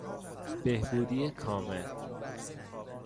بهبودی کامل